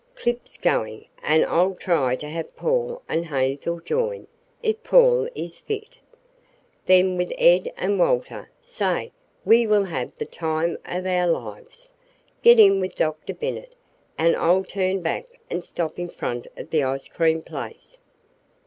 Clip's going, and I'll try to have Paul and Hazel join if Paul is fit. Then with Ed and Walter Say, we will have the time of our young lives! Get in with Dr. Bennet, and I'll turn back and stop in front of the ice cream place.